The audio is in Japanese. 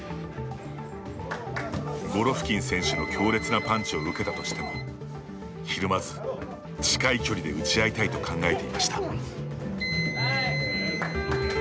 ゴロフキン選手の強烈なパンチを受けたとしてもひるまず近い距離で打ち合いたいと考えていました。